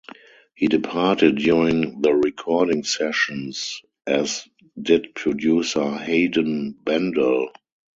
He departed during the recording sessions - as did producer Haydn Bendall.